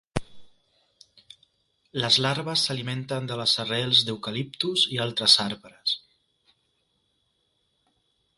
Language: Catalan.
Les larves s'alimenten de les arrels d'eucaliptus i altres arbres.